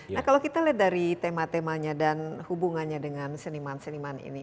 nah kalau kita lihat dari tema temanya dan hubungannya dengan seniman seniman ini